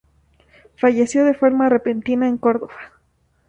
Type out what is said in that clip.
Falleció de forma repentina en Córdoba.